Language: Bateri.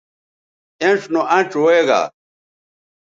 اِنڇ نو اَنڇ وے گا